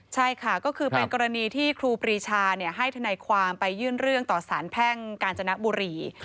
ใช่ค่ะก็คือเป็นกรณีที่ครูปรีชาให้ทนายความไปยื่นเรื่องต่อสารแพ่งกาญจนบุรี